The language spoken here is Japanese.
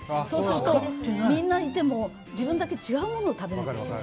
そうすると、みんないても自分だけ違うものを食べる。